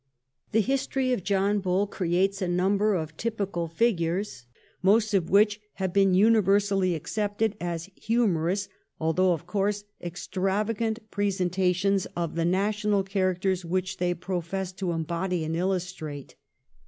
The 'History of John Bull' creates a number of typical figures, most of which have been universally accepted as humorous although, of course, extravagant presen tations of the national characters which they profess to embody and illustrate.